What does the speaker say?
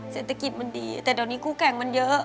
เศรษฐกิจมันดีแต่เดี๋ยวนี้กู้แก่งมันเยอะ